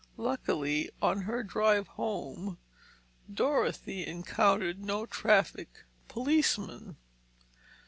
Luckily, on her drive home, Dorothy encountered no traffic policemen.